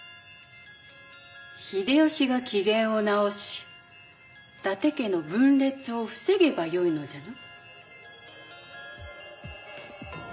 秀吉が機嫌を直し伊達家の分裂を防げばよいのじゃな。